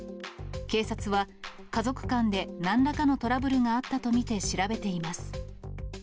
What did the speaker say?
警察は、家族間でなんらかのトラブルがあったと見て調べています。